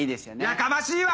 やかましいわ！